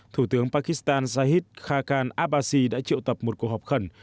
thủ tướng pakistan zahid khakal abbasi đã triệu tập một cuộc họp khẩn